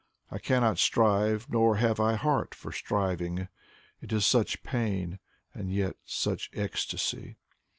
I cannot strive nor have I heart for striving: It is such pain and yet such ecstasy.